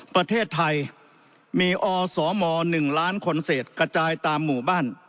ประเทศไทยมีอสม๑ล้านคนเศษกระจายตามหมู่บ้าน